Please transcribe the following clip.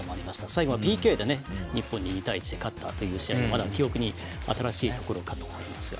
最後はＰＫで日本に２対１で勝ったというのはまだ記憶に新しいと思いますが。